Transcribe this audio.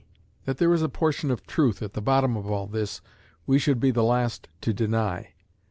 That there is a portion of truth at the bottom of all this, we should be the last to deny.